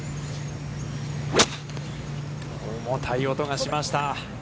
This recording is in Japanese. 重たい音がしました。